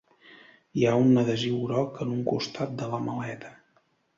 Hi ha un adhesiu groc en un costat de la maleta.